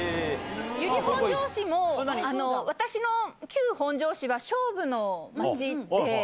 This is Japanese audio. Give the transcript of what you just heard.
由利本荘市も、私の旧本庄市は、菖蒲の町で。